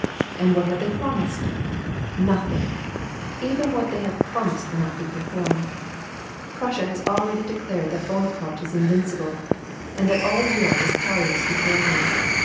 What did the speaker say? And what have they promised ? Nothing ! Even what they have prom ised will not be performed. Prussia has already declared that Bonaparte is invincible, and that all Europe is powerless before him.